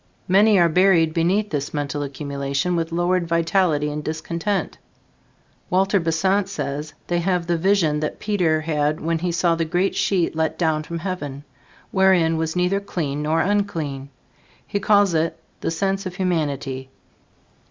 Many are buried beneath this mental accumulation with lowered vitality and discontent. Walter Besant says they have had the vision that Peter had when he saw the great sheet let down from heaven, wherein was neither clean nor unclean. He calls it the sense of humanity.